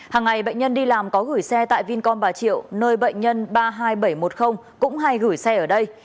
hàng ngày bệnh nhân đi làm có gửi xe tại vincomba triệu nơi bệnh nhân ba mươi hai nghìn bảy trăm một mươi cũng hay gửi xe ở đây